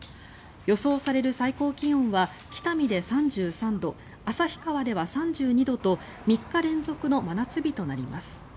予想される最高気温は北見で３３度旭川では３２度と３日連続の真夏日となります。